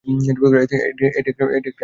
এটি একটি 'art film'.